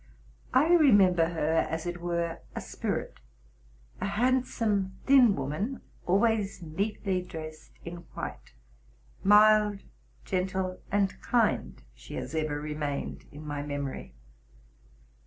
I remember her, as it were, a spirit, —a handsome, thin woman, always neatly dressed in white. Mild, gentle, and kind, she has ever remained in my memory.